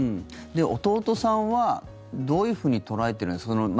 弟さんはどういうふうに捉えてるんですか？